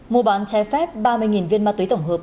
mua bán trái phép ba mươi viên ma túy tổng hợp